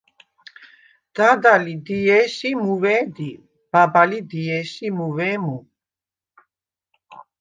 დადა ლი დიე̄შ ი მუუ̂ე̄ დი, ბაბა ლი დიე̄შ ი მუუ̂ე̄ მუ.